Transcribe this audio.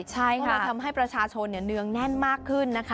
เพราะเราทำให้ประชาชนเนื้องแน่นมากขึ้น